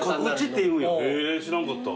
へえ知らんかった。